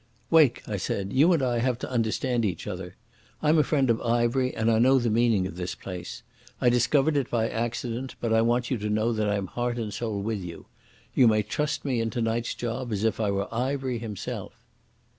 "Wake," I said, "you and I have to understand each other. I'm a friend of Ivery and I know the meaning of this place. I discovered it by accident, but I want you to know that I'm heart and soul with you. You may trust me in tonight's job as if I were Ivery himself."